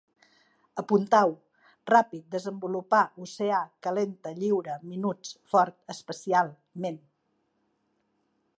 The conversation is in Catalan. Apuntau: ràpid, desenvolupar, oceà, calenta, lliure, minuts, fort, especial, ment